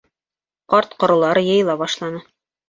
Ҡарт-ҡоролар йыйыла башланы.